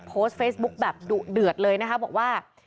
โพสต์เฟซบุ๊คแบบดุเดือดเลยนะคะบอกว่า